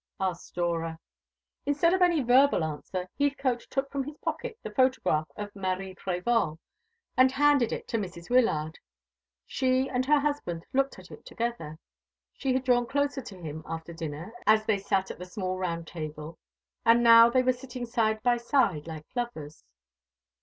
asked Dora. Instead of any verbal answer, Heathcote took from his pocket the photograph of Marie Prévol, and handed it to Mrs. Wyllard. She and her husband looked at it together. She had drawn closer to him after dinner, as they sat at the small round table, and now they were sitting side by side, like lovers.